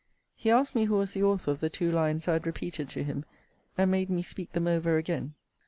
He asked me who was the author of the two lines I had repeated to him; and made me speak them over again.